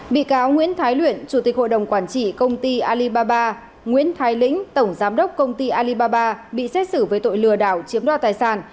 bị cáo nguyễn thái luyện chủ tịch hội đồng quản trị công ty alibaba nguyễn thái lĩnh tổng giám đốc công ty alibaba bị xét xử với tội lừa đảo chiếm đoạt tài sản